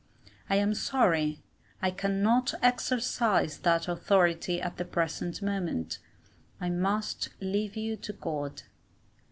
I am sorry I cannot exercise that authority at the present moment. I must leave you to God.